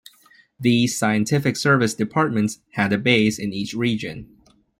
These Scientific Service Departments had a base in each Region.